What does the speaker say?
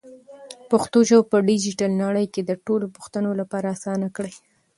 پښتو ژبه په ډیجیټل نړۍ کې د ټولو پښتنو لپاره اسانه کړئ.